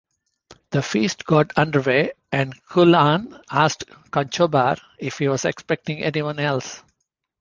The feast got underway, and Culann asked Conchobar if he was expecting anyone else.